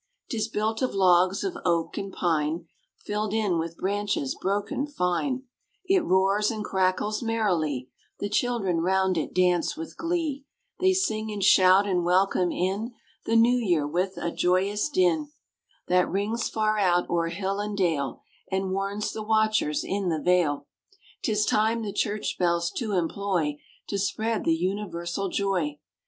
'Tis built of logs of oak and pine, Filled in with branches broken fine; It roars and crackles merrily; The children round it dance with glee; They sing and shout and welcome in The new year with a joyous din That rings far out o'er hill and dale, And warns the watchers in the vale 'Tis time the church bells to employ To spread the universal joy.